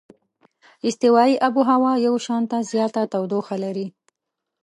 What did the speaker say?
استوایي آب هوا یو شانته زیاته تودوخه لري.